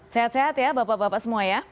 sehat sehat ya bapak bapak semua ya